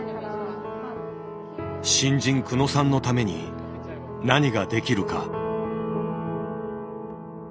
新人久野さんのために何ができるか。